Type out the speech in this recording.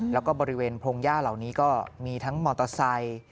แล้วก็บริเวณพงหญ้าเหล่านี้ก็มีทั้งมอเตอร์ไซค์